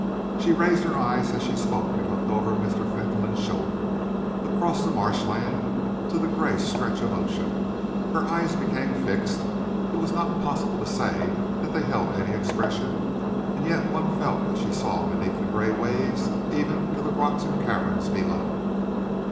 She raised her eyes as she spoke and looked over Mr. Fentolin's shoulder, across the marshland to the grey stretch of ocean. Her eyes became fixed. It was not possible to say that they held any expression, and yet one felt that she saw beneath the grey waves, even to the rocks and caverns below.